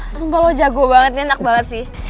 sumpah lo jago banget ini enak banget sih